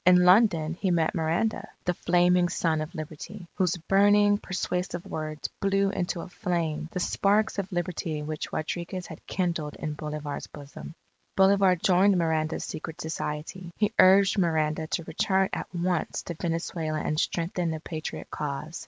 In London he met Miranda, the Flaming Son of Liberty, whose burning, persuasive words blew into a flame, the sparks of Liberty which Rodriguez had kindled in Bolivar's bosom. Bolivar joined Miranda's secret society. He urged Miranda to return at once to Venezuela and strengthen the Patriot cause.